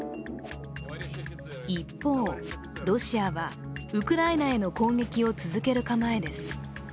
一方、ロシアはウクライナへの攻撃を続ける構えです。